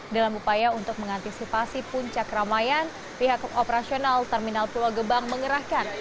dalam upaya untuk mengantisipasi puncak keramaian pihak operasional terminal pulau gebang mengerahkan